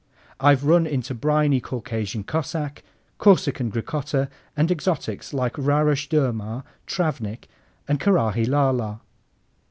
I've run into briny Caucasian Cossack, Corsican Gricotta, and exotics like Rarush Durmar, Travnik, and Karaghi La la.